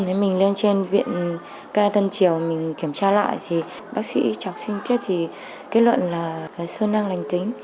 thế mình lên trên viện ca tân triều mình kiểm tra lại thì bác sĩ chọc sinh thiết thì kết luận là sơ nang lành tính